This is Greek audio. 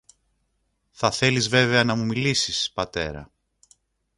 Θα θέλεις βέβαια να του μιλήσεις, Πατέρα